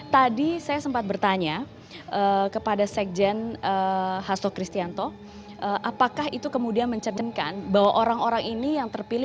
tadi saya sempat bertanya kepada sekjen hasto kristianto apakah itu kemudian mencernkan bahwa orang orang ini yang terpilih